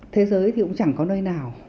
thế giới thì cũng chẳng có nơi nào